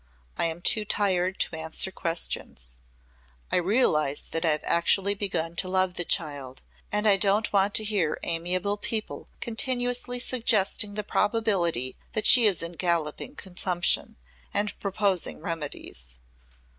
I am too tired to answer questions. I realise that I have actually begun to love the child and I don't want to hear amiable people continuously suggesting the probability that she is in galloping consumption and proposing remedies."